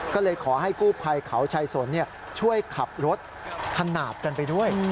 ก็เลยขอให้กู้ภัยเขาชายสนช่วยขับรถขนาดกันไปด้วย